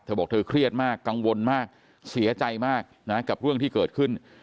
บอกเธอเครียดมากกังวลมากเสียใจมากนะกับเรื่องที่เกิดขึ้น